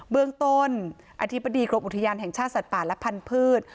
เบื้องต้นอธิบดีกรมอุทยานแห่งชาติสัตว์ป่าและพันธุ์